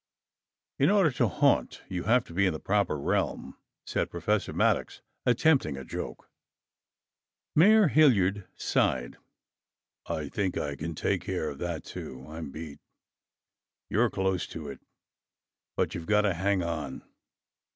"In order to haunt, you have to be in the proper realm," said Professor Maddox, attempting a joke. Mayor Hilliard sighed. "I think I can take care of that, too. I'm beat. You're close to it, but you've got to hang on.